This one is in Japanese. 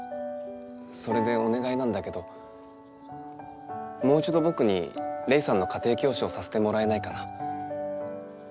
それでおねがいなんだけどもういちどぼくにレイさんの家庭教師をさせてもらえないかな。